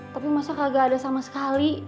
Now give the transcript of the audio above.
tapi masa gak ada sama sekali